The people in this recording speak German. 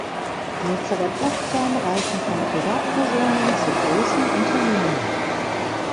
Nutzer der Plattform reichen von Privatpersonen zu großen Unternehmen.